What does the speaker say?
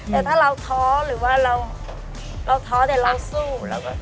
แต่ถ้าเราท้อหรือว่าเราท้อแต่เราสู้